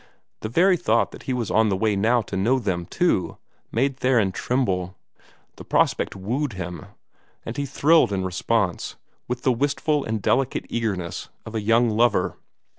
The very thought that he was on the way now to know them, too, made Theron tremble. The prospect wooed him, and he thrilled in response, with the wistful and delicate eagerness of a young lover.